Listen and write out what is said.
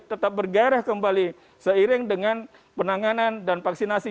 tetap bergarah kembali seiring dengan penanganan dan vaksinasi